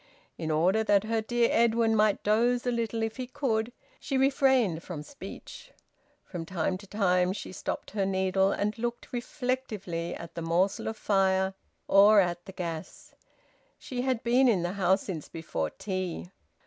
In order that her dear Edwin might doze a little if he could, she refrained from speech; from time to time she stopped her needle and looked reflectively at the morsel of fire, or at the gas. She had been in the house since before tea.